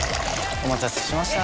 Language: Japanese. お待たせしました。